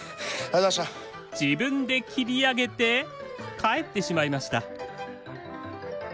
自分で切り上げて帰ってしまいました。